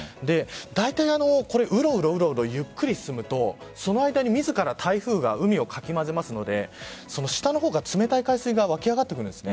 だいたいウロウロゆっくり進むとその間に自ら台風が海をかきまぜますので下の方が、冷たい海水が湧き上がってくるんです。